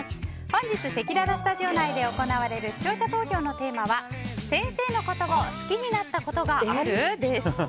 本日、せきららスタジオ内で行われる視聴者投票のテーマは先生のことを好きになったことがある？です。